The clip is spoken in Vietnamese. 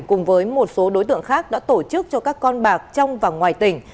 cùng với một số đối tượng khác đã tổ chức cho các con bạc trong và ngoài tỉnh